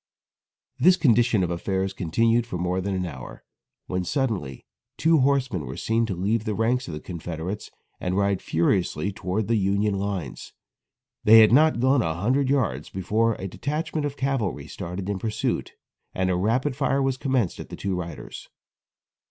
This condition of affairs continued for more than an hour, when suddenly two horsemen were seen to leave the ranks of the Confederates and ride furiously towards the Union lines. They had not gone a hundred yards before a detachment of cavalry started in pursuit and a rapid fire was commenced at the two riders.